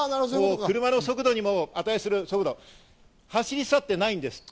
車の速度にも値する速度、走り去ってないんですって。